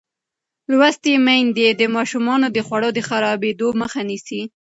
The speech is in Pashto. لوستې میندې د ماشومانو د خوړو د خرابېدو مخه نیسي.